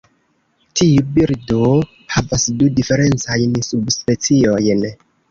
Tiu birdo havas du diferencajn subspeciojn.